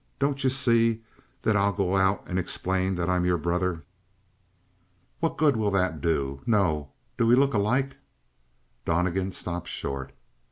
Don't you see that I'll go out and explain that I'm your brother?" "What good will that do? No, do we look alike?" Donnegan stopped short.